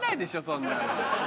そんなの。